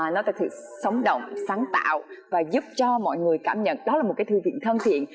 nó thật sự sống động sáng tạo và giúp cho mọi người cảm nhận đó là một cái thư viện thân thiện